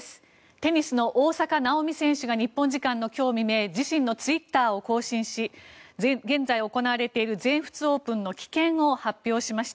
テニスの大坂なおみ選手が日本時間今日未明自身のツイッターを更新し現在行われている全仏オープンの棄権を発表しました。